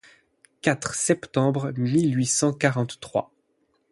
quatre septembre mille huit cent quarante-trois